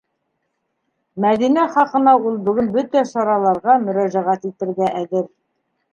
Мәҙинә хаҡына ул бөгөн бөтә сараларға мөрәжәғәт итергә әҙер.